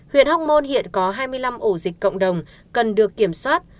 huyện hóc môn hiện có hai mươi năm ổ dịch cộng đồng cần được kiểm soát